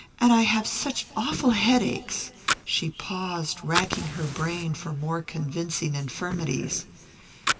And I have such awful headaches." She paused, racking her brain for more convincing infirmities.